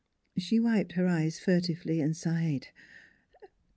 She wiped her eyes furtively and sighed.